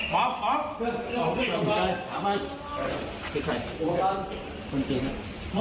ฮะอืม